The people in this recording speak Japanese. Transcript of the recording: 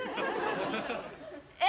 えっ？